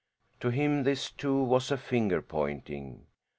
To him this, too, was a finger pointing.